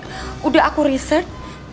sudah aku riset